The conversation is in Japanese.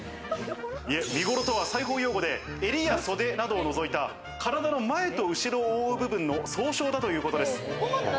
いえ、身頃とは裁縫用語で襟や袖などを除いた体の前と後ろを覆う部分の総称だということです。